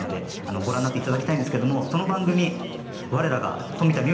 ご覧になっていただきたいですがその番組われらが富田望